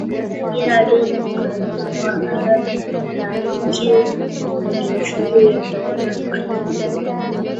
ازادي راډیو د کرهنه په اړه د امنیتي اندېښنو یادونه کړې.